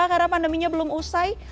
karena pandeminya belum usai